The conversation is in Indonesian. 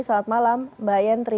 selamat malam mbak yentri